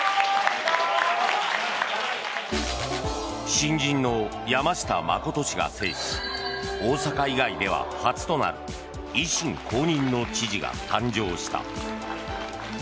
新人の山下真氏が制し大阪以外では初となる維新公認の知事が誕生した。